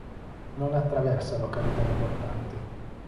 Non attraversa località importanti.